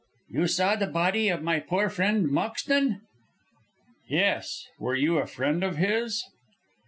"You saw the body of my poor friend Moxton?" "Yes. Were you a friend of his?"